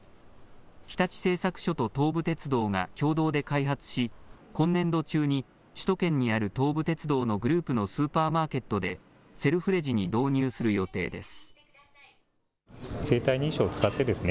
日立製作所と東武鉄道が共同で開発し、今年度中に首都圏にある東武鉄道のグループのスーパーマーケットで、セルフレジに導入する予定です。